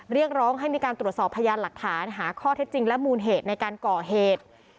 เรียกร้องให้มีการตรวจสอบพยานหลักฐานหาข้อเท็จจริงและมูลเหตุในการก่อเหตุ